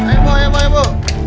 ibu ibu ibu